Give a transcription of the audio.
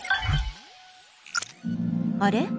あれ？